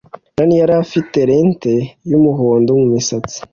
Jane yari afite lente yumuhondo mumisatsi.